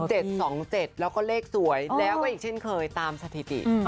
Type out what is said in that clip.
คือเจ็ดสองเจ็ดแล้วก็เลขสวยแล้วก็อีกเช่นเคยตามสถิติ